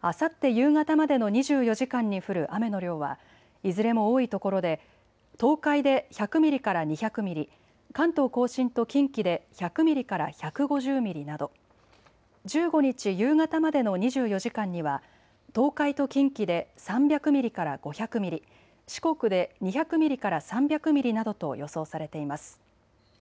あさって夕方までの２４時間に降る雨の量は、いずれも多いところで東海で１００ミリから２００ミリ、関東甲信と近畿で１００ミリから１５０ミリなど、１５日夕方までの２４時間には東海と近畿で３００ミリから５００ミリ、四国で２００ミリから３００ミリなどと予想されています。